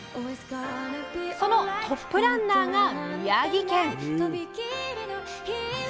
そのトップランナーが宮城県！